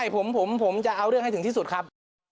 ผมจะเอาเรื่องให้ถึงที่สุดครับ